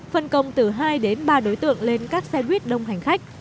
phân công từ hai đến ba đối tượng lên các xe buýt đông hành khách